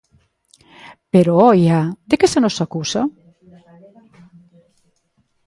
Pero, ¡oia!, ¿de que se nos acusa?